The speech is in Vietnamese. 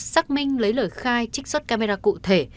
xác minh lấy lời khai trích xuất camera cụ thể